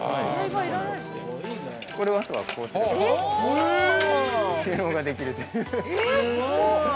これをあとはこうすれば収納ができるという。